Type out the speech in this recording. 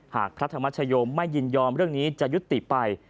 หากพระธรรมชโยมไม่ยินยอมเรื่องนี้จะยุติไป